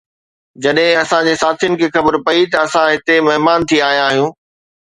جڏهن اسان جي ساٿين کي خبر پئي ته اسان هتي مهمان ٿي آيا آهيون